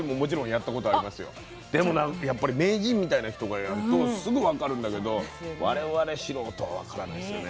でもやっぱり名人みたいな人がやるとすぐ分かるんだけど我々素人は分からないですよね